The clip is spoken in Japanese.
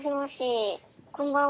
こんばんは。